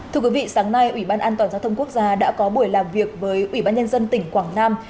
thưa quý vị sáng nay ủy ban an toàn giao thông quốc gia đã có buổi làm việc với ủy ban nhân dân tỉnh quảng nam